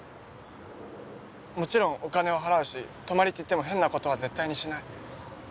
もちろんお金は払うし泊まりって言っても変なことは絶対にしない。